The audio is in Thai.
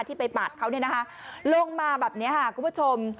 ที่ไปปาดเขาเนี่ยนะคะลงมาแบบนี้ค่ะคุณผู้ชม